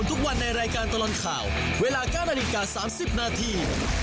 ทุกวันในรายการตลอดข่าวเวลา๙นาฬิกา๓๐นาที